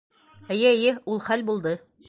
Эйе, эйе... ул хәл булды.